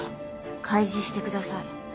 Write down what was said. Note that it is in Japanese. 開示してください。